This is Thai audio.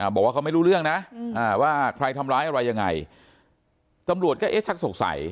บอกว่าเขาไม่รู้เรื่องนะว่าใครทำร้ายอะไรยังไงตำรวจก็เอ๊ะชักสงสัย